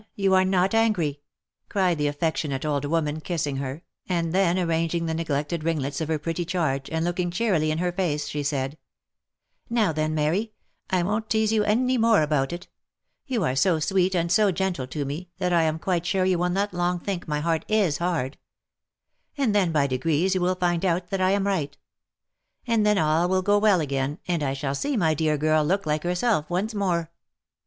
you are not angry," cried the affectionate old woman kissing her, and then arranging the neglected ringlets of her pretty charge, and looking cheerily in her face, she said, " Now then, Mary, OF MICHAEL ARMSTRONG. 221 I won't teaze you any more about it. You are so sweet and so gentle to me, that I am quite sure you will not long think my heart is hard ; and then by degrees you will find out that I am right ; and then all will go well again, and 1 shall see my dear girl look like herself once more."